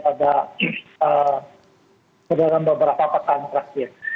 pada beberapa petang terakhir